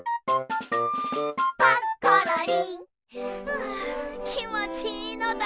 うわきもちいいのだ。